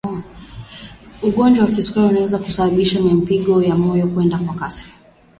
ugonjwa wa kisukari unaweza kusababisha mapigo ya moyo kwenda kwa kasi